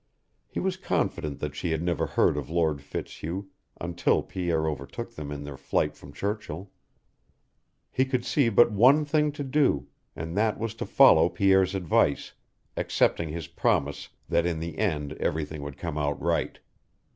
He was confident that she had never heard of Lord Fitzhugh until Pierre overtook them in their flight from Churchill. He could see but one thing to do, and that was to follow Pierre's advice, accepting his promise that in the end everything would come out right.